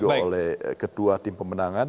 juga oleh ketua tim pemenangan